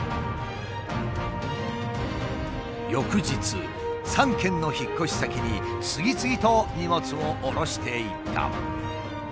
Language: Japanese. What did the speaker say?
翌日３件の引っ越し先に次々と荷物を降ろしていった。